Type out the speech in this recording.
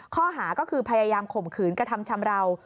ข้อหาก็คือพยายามข่มขืนกระทำชำราว